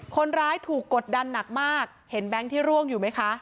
คนร้ายถูกกดดันหนักมากเห็นแบงค์ที่ร่วงอยู่ไหมคะ